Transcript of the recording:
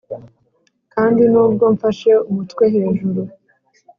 kandi nubwo mfashe umutwe hejuru